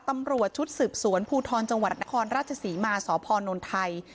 ตำรวจชุดสืบสวนภูทรจังหวัดนครราชศรีมาสพนนไทย